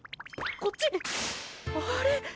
こっち⁉あれ？